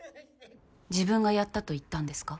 自分がやったと言ったんですか？